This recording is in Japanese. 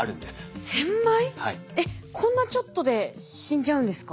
えっこんなちょっとで死んじゃうんですか？